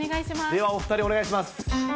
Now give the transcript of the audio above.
ではお２人お願いします。